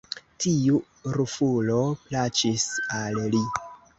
Tiu rufulo plaĉis al li.